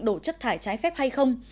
đổ chất thải trái phép hay không